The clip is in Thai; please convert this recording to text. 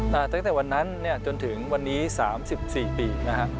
แต่ตั้งแต่วันนั้นจนถึงวันนี้๓๔ปี